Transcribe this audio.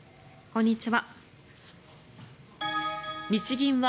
こんにちは。